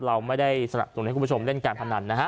เราไม่ได้สนับสนุนให้คุณผู้ชมเล่นการพนันนะฮะ